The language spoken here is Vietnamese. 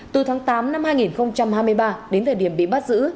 từ tháng tám năm hai nghìn hai mươi ba đến thời điểm bị bắt giữ